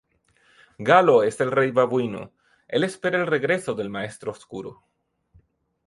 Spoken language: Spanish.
Galo es el Rey babuino, el espera el regreso del maestro oscuro.